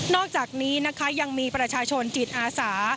อกจากนี้นะคะยังมีประชาชนจิตอาสา